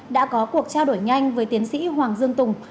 đã có cuộc trao đổi nhanh với tiến sĩ hoàng dương tùng